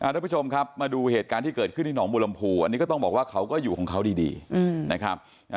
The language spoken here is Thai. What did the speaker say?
ทุกผู้ชมครับมาดูเหตุการณ์ที่เกิดขึ้นที่หนองบุรมภูอันนี้ก็ต้องบอกว่าเขาก็อยู่ของเขาดีนะครับ